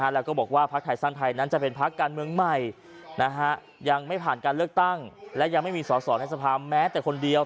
แล้วก็บอกว่าพักไทยสร้างไทยนั้นจะเป็นพักการเมืองใหม่ยังไม่ผ่านการเลือกตั้งและยังไม่มีสอสอในสภาแม้แต่คนเดียว